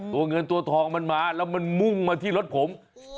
ตัวเงินตัวทองมันมาแล้วมันมุ่งมาที่รถผม